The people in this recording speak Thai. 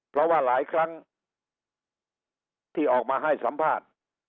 เพราะว่าหลายครั้งที่ออกมาให้สัมภาษณ์